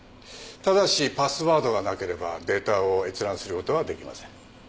ただしパスワードがなければデータを閲覧することはできません。